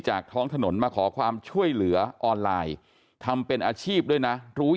ท้องถนนมาขอความช่วยเหลือออนไลน์ทำเป็นอาชีพด้วยนะรู้